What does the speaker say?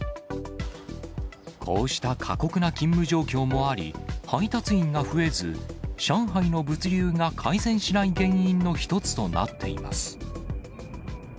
こうした過酷な勤務状況もあり、配達員が増えず、上海の物流が改善しない原因の一つとなっています。